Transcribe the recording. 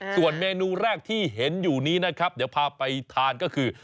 ส่วนเมนูแรกที่เห็นอยู่นี้นะครับเดี๋ยวพาไปทานก็คือ